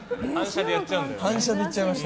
反射で言っちゃいました。